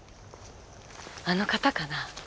あの方かな。